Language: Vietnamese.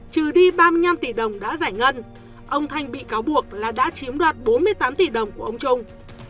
trừ đi ba mươi năm tỷ đồng đã giải ngân ông thanh bị cáo buộc là đã chiếm đoạt bốn mươi tám tỷ đồng của ông trung